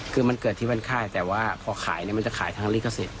คือมันเกิดที่วันค่ายแต่ว่าพอขายเนี่ยมันจะขายทางลิขสิทธิ์